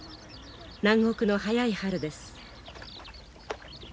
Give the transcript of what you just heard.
南国の早い春です。